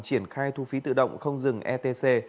triển khai thu phí tự động không dừng etc